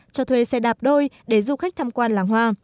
cho thuê xe đạp đôi để du khách tham quan làng hoa